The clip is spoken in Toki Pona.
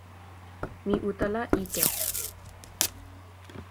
mi utala ike.